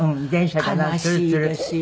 悲しいですよ。